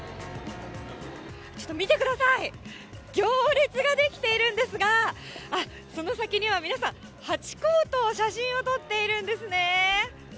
見てください、行列が出来ているんですが、その先には皆さん、ハチ公と写真を撮っているんですね。